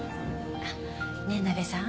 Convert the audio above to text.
あっねえナベさん。